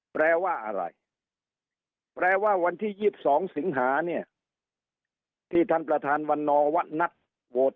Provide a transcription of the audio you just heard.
แปลว่าอะไรแปลว่าวันที่๒๒สิงหาเนี่ยที่ท่านประธานวันนอวัดนัดโหวต